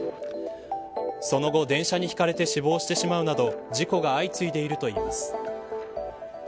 その後、電車にひかれて死亡してしまうなど事故が相次いでいるといいます。